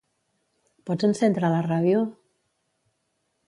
Pots encendre la ràdio?